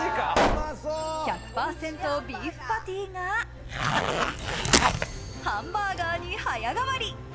１００％ビーフパティが、ハンバーガーに早変わり。